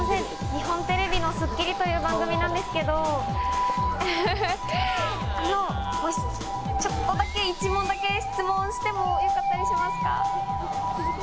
日本テレビの『スッキリ』という番組なんですけど、ちょっとだけ、１問だけ質問してもよかったりしますか？